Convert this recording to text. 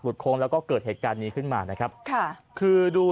โค้งแล้วก็เกิดเหตุการณ์นี้ขึ้นมานะครับค่ะคือดู